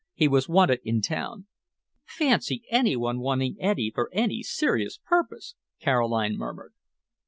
"He was wanted in town." "Fancy any one wanting Eddy for any serious purpose!" Caroline murmured.